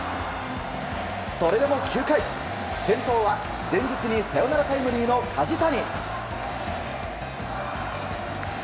それでも９回、先頭は前日にサヨナラタイムリーの梶谷。